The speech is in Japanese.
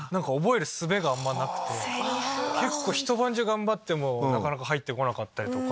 一晩中頑張ってもなかなか入ってこなかったりとか。